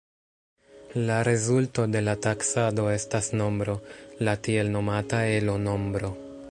La rezulto de la taksado estas nombro, la tiel nomata Elo-nombro.